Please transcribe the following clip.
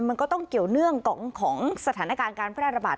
มันก็ต้องเกี่ยวเนื่องของสถานการณ์การแพร่ระบาด